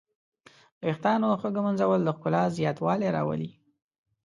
د ویښتانو ښه ږمنځول د ښکلا زیاتوالی راولي.